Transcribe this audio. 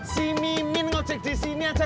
si mimin ngejek di sini aja